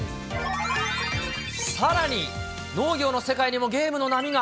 さらに、農業の世界にもゲームの波が。